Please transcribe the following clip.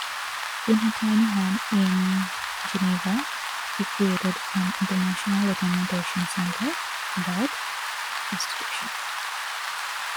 In her tiny home in Geneva, she created an international documentation center about prostitution.